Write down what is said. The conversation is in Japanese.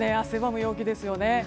汗ばむ陽気ですよね。